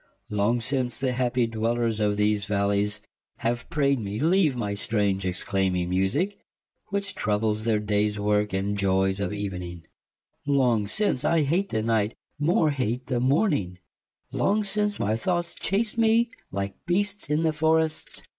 Long since the happie dwellers of these vallies, Have praide me leave my strange exclaiming musique , Which troubles their dayes worke, and joyes of evening : Long since I hate the night , more hate the morning : Long since my thoughts chase me like beasts in for rests.